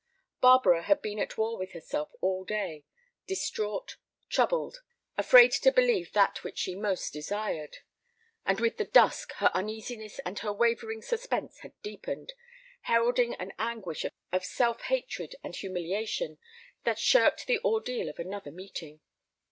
Barbara had been at war with herself all day—distraught, troubled, afraid to believe that which she most desired. And with the dusk her uneasiness and her wavering suspense had deepened, heralding an anguish of self hatred and humiliation that shirked the ordeal of another meeting.